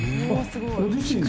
ご自身で？